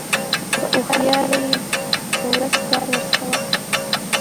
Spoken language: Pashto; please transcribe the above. كه هوښيار يې په ورځ كار ورڅخه واخله